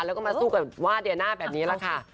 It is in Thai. แล้วก็มาสู้กับว่าเดียน่าแบบนี้แหละค่ะ